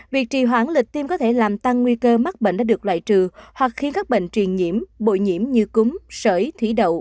việc trì hoãn lịch tiêm có thể làm tăng nguy cơ mắc bệnh đã được loại trừ hoặc khiến các bệnh truyền nhiễm bội nhiễm như cúng sởi thủy đậu